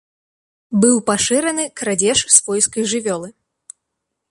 Быў пашыраны крадзеж свойскай жывёлы.